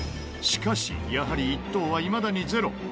しかしやはり１等はいまだに０。